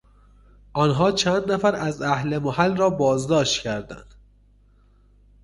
آنها چند نفر از اهل محل را بازداشت کردند.